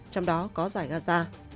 trong đó có giải gaza